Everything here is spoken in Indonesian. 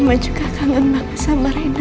mama juga kangen banget sama rena